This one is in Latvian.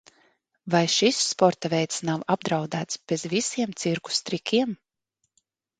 Vai šis sporta veids nav apdraudēts bez visiem cirkus trikiem?